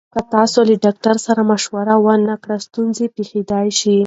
که تاسو له ډاکټر سره مشوره ونکړئ، ستونزه پېښېدای شي.